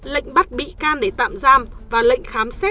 lệnh bắt bị can để xử lý hình sự